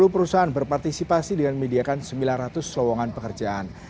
tiga puluh perusahaan berpartisipasi dengan memediakan sembilan ratus slowongan pekerjaan